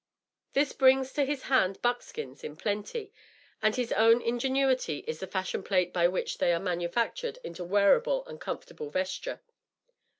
This brings to his hand buckskins in plenty, and his own ingenuity is the fashion plate by which they are manufactured into wearable and comfortable vesture.